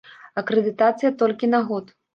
Акрэдытацыя толькі на год.